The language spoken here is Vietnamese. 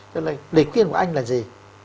cho nên lời khuyên của anh là gì